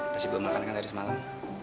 pasti belum makan kan dari semalam